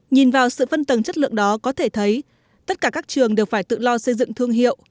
nhìn vào sự phân tầng chất lượng đó có thể thấy tất cả các trường đều phải tự lo xây dựng thương hiệu